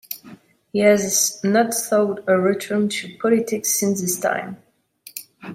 He has not sought a return to politics since this time.